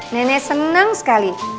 nenek senang sekali